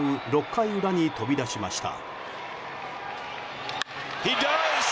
６回裏に飛び出しました。